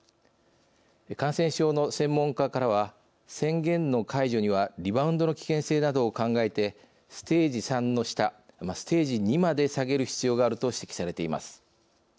感染症の専門家からは宣言の解除にはリバウンドの危険性などを考えてステージ３の下ステージ２まで下げる必要があると指摘されています。